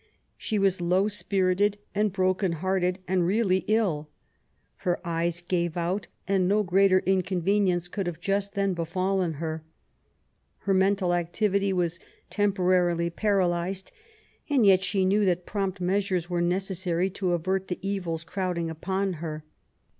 She was low spirited and broken hearted^ and really ill. Her eyea gave out; and no greater inconvenience could have just then befallen her. Her mental activity was temporarily paralyzed, and yet she knew that prompt measures were necessary to avert the evils crowding upon her.